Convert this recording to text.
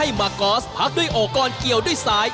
มากอสพักด้วยโอกรเกี่ยวด้วยซ้าย